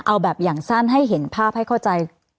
เอาแบบอย่างสั้นให้เห็นภาพให้เข้าใจ